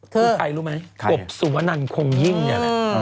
คือใครรู้ไหมกบสุวนันคงยิ่งเนี่ยแหละ